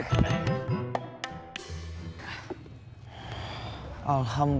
oh astaga berampun